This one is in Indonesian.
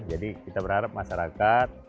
jadi kita berharap masyarakat